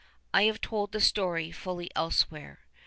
I have told the story fully elsewhere.